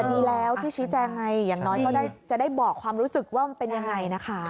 มีแล้วที่ชี้แจงไงอย่างน้อยก็จะได้บอกความรู้สึกว่ามันเป็นยังไงนะคะ